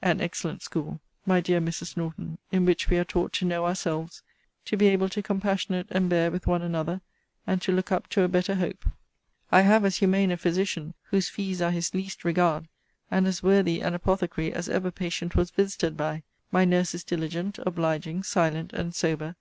An excellent school! my dear Mrs. Norton, in which we are taught to know ourselves, to be able to compassionate and bear with one another, and to look up to a better hope. I have as humane a physician, (whose fees are his least regard,) and as worthy an apothecary, as ever patient was visited by. My nurse is diligent, obliging, silent, and sober.